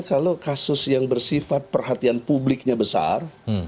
kalau kasus yang bersifat perhatian publiknya besar